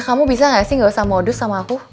kamu bisa gak sih gak usah modus sama aku